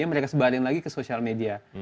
mereka sebaring lagi ke sosial media